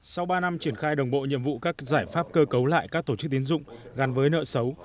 sau ba năm triển khai đồng bộ nhiệm vụ các giải pháp cơ cấu lại các tổ chức tiến dụng gắn với nợ xấu